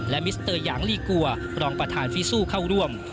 และมิสเตอร์ยางลีกัวรองประธานฟิซูเข้าร่วม